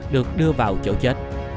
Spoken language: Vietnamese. được đưa vào chỗ chết